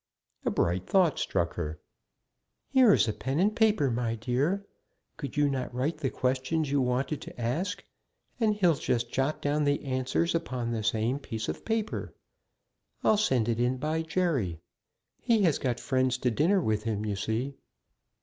A bright thought struck her. "Here is pen and paper, my dear. Could you not write the questions you wanted to ask? and he'll just jot down the answers upon the same piece of paper. I'll send it in by Jerry. He has got friends to dinner with him, you see."